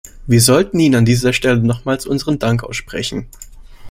Wir sollten ihnen an dieser Stelle nochmals unseren Dank aussprechen.